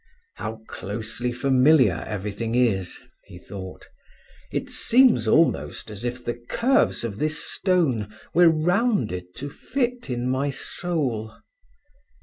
"How closely familiar everything is," he thought. "It seems almost as if the curves of this stone were rounded to fit in my soul."